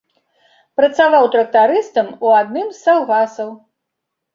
Працаваў трактарыстам у адным з саўгасаў.